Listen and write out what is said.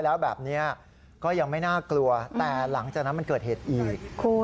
แล้วแบบนี้ก็ยังไม่น่ากลัวแต่หลังจากนั้นมันเกิดเหตุอีก